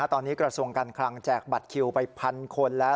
ตอนนี้กระทรวงการคลังแจกบัตรคิวไปพันคนแล้ว